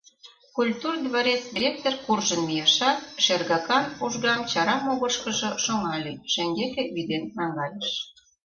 Культур дворец директор куржын мийышат, шергакан ужгам чара могырышкыжо шоҥале, шеҥгеке вӱден наҥгайыш.